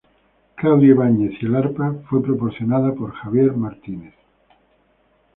Claudia Ibáñez y el arpa fue proporcionada por Javier Martínez.